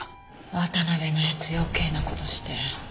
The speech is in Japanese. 渡辺の奴余計な事して。